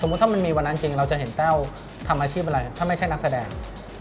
ถ้ามันมีวันนั้นจริงเราจะเห็นแต้วทำอาชีพอะไรถ้าไม่ใช่นักแสดง